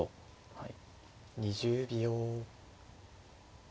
はい。